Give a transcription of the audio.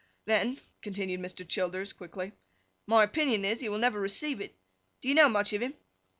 'Then,' continued Mr. Childers, quickly, 'my opinion is, he will never receive it. Do you know much of him?